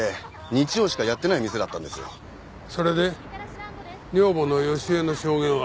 それで女房の好江の証言は？